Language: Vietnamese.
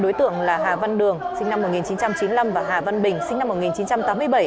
đối tượng là hà văn đường sinh năm một nghìn chín trăm chín mươi năm và hà văn bình sinh năm một nghìn chín trăm tám mươi bảy